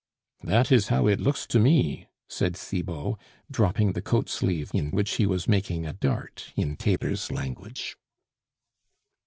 "That is how it looks to me," said Cibot, dropping the coat sleeve in which he was making a "dart," in tailor's language.